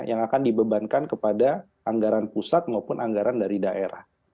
yang akan dibebankan kepada anggaran pusat maupun anggaran dari daerah